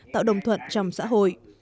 tạo đồng thuận trong xã hội